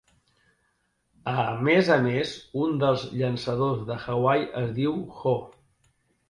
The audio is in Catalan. A més a més, un dels llançadors de Hawaii es diu Ho.